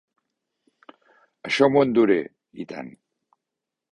Això m'ho enduré, i tant.